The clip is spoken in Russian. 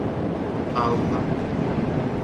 Алла